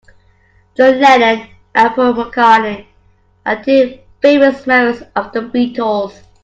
John Lennon and Paul McCartney are two famous members of the Beatles.